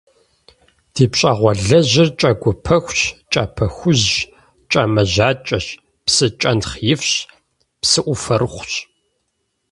Ди пщӏэгъуалэжьыр кӏагуэ пахущ, кӏапэ хужьщ, кӏэмажьэкӏэщ, псы кӏэнтхъ ифщ, псыӏуфэрыхъущ.